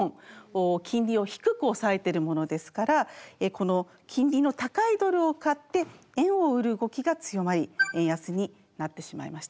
金利を低く抑えてるものですから金利の高いドルを買って円を売る動きが強まり円安になってしまいました。